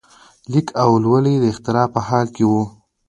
د لیک او کولالۍ اختراع په حال کې وو.